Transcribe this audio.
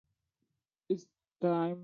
Each time interval is coloured differently.